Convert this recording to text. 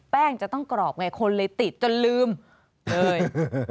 แป้งจะต้องกรอบไงคนเลยติดจนลืมเลย